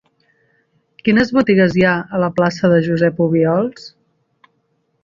Quines botigues hi ha a la plaça de Josep Obiols?